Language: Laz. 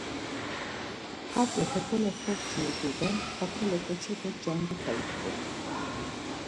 Hatzi hekole xortsi iguben, hakole ǩoçepek cancuxa ipxornan.